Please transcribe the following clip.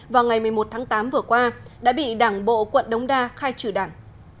vào ngày một mươi một tháng tám vừa qua đã bị đảng bộ quận đống đa khai trừ đảng